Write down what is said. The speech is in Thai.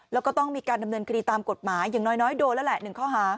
แล้วก็ต้องมีการดำเนินคดีตามกฎหมายอย่างน้อยโดนแล้วแหละ๑ข้อหา